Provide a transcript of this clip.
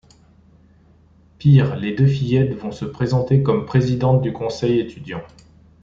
Pire, les deux fillettes vont se présenter comme présidente du conseil étudiant.